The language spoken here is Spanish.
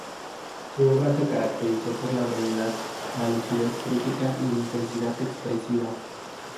Su obra se caracterizó por la brevedad, la lucidez crítica y la intensidad expresiva.